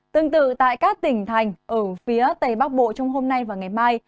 tương tự tại các tỉnh thành ở phía tây bắc bộ trong hôm nay và ngày mai